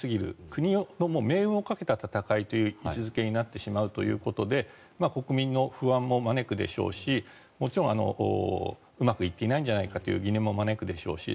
国の命運をかけた戦いという位置付けになってしまうということで国民の不安も招くでしょうしもちろんうまくいっていないんじゃないかという疑念も招くでしょうし。